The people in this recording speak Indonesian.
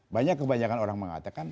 banyak kebanyakan orang mengatakan